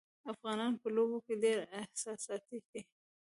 افغانان په لوبو کې ډېر احساساتي دي.